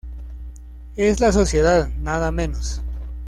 es la sociedad, nada menos